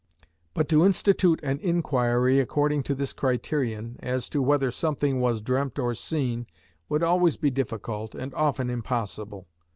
But to institute an inquiry according to this criterion, as to whether something was dreamt or seen, would always be difficult and often impossible.